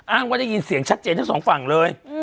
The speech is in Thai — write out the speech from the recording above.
อ้างว่าได้ยินเสียงชัดเจนทั้งสองฝั่งเลย